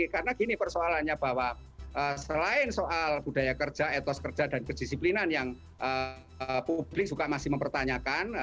karena gini persoalannya bahwa selain soal budaya kerja etos kerja dan kedisiplinan yang publik suka masih mempertanyakan